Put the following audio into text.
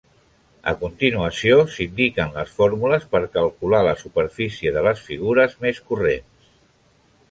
A continuació s'indiquen les fórmules per calcular la superfície de les figures més corrents.